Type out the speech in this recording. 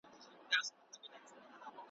موږ شهپر دی غلیمانو ته سپارلی ,